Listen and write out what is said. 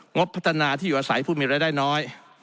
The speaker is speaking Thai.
บพัฒนาที่อยู่อาศัยผู้มีรายได้น้อย